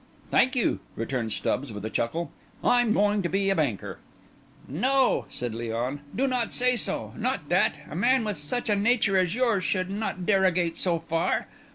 "Thank you," returned Stubbs, with a chuckle. "I'm going to be a banker." "No," said Léon, "do not say so. Not that. A man with such a nature as yours should not derogate so far.